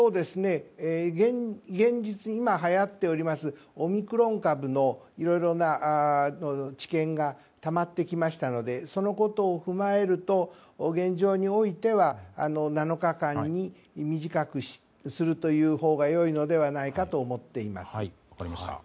現実今はやっているオミクロン株のいろいろな知見がたまってきましたのでそのことを踏まえると現状においては７日間に短くするというほうが良いのではないかと思っています。